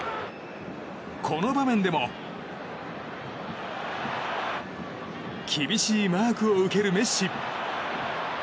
この場面でも厳しいマークを受ける、メッシ。